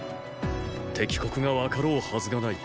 敵国が分かろうはずがない。